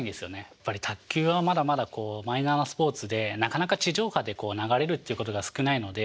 やっぱり卓球はまだまだマイナーなスポーツでなかなか地上波で流れるっていうことが少ないので。